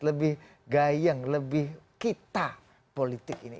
lebih gayeng lebih kita politik ini